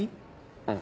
うん。